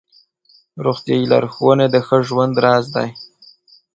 روغتیایي لارښوونې د ښه ژوند راز دی.